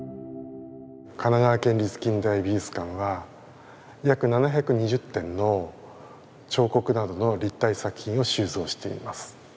神奈川県立近代美術館は約７２０点の彫刻などの立体作品を収蔵しています。